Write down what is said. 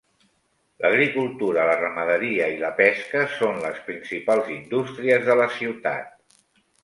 L'agricultura, la ramaderia i la pesca són les principals indústries de la ciutat.